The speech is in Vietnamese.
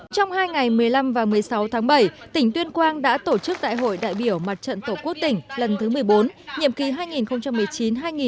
trong hai ngày một mươi năm và một mươi sáu tháng bảy tỉnh tuyên quang đã tổ chức đại hội đại biểu mặt trận tổ quốc tỉnh lần thứ một mươi bốn nhiệm kỳ hai nghìn một mươi chín hai nghìn hai mươi bốn